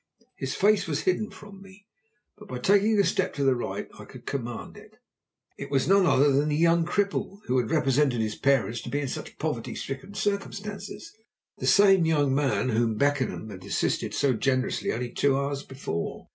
His face was hidden from me, but by taking a step to the right I could command it. It was none other than the young cripple who had represented his parents to be in such poverty stricken circumstances; the same young man whom Beckenham had assisted so generously only two hours before.